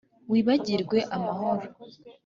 wibagirwe amahano